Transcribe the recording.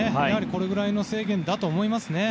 これぐらいの制限だと思いますけどね。